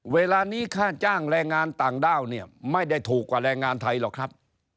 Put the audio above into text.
เวลานี้ค่าจ้างแรงงานต่างด้าวเนี่ยไม่ได้ถูกกว่าแรงงานไทยหรอกครับ